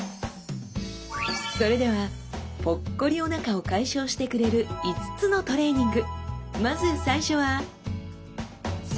それではポッコリおなかを解消してくれる５つのトレーニング！